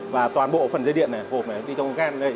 và toàn bộ phần dây điện này hộp này đi trong ghen này